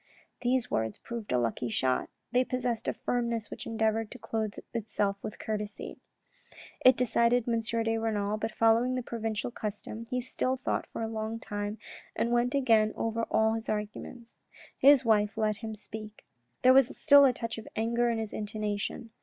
These words proved a lucky shot. They possessed a firmness which endeavoured to clothe itself with courtesy. It decided M. de Renal, but following the provincial custom, he still thought for a long time, and went again over all his arguments ; his wife let him speak. There was still a touch of anger in his intonation.